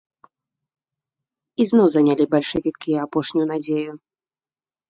Ізноў занялі бальшавікі апошнюю надзею.